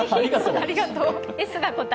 ありがとう。